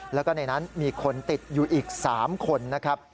แล้วก็ในนั้นมีคนติดอยู่อีก๓คนนะครับ